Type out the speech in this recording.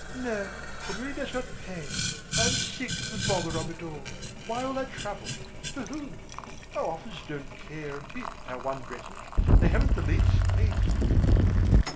"No, it really does not pay. I am sick of the bother of it all. Why all that trouble? For whom? Our officers don't care a bit how one dresses. They haven't the least taste."